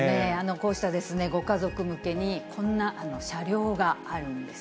こうしたご家族向けに、こんな車両があるんです。